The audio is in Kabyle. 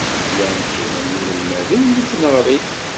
Llan kra n yinelmaden deg tneɣrit.